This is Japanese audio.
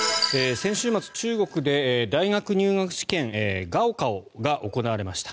先週末、中国で大学入学試験高考が行われました。